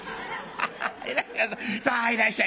「ハハハさあいらっしゃい！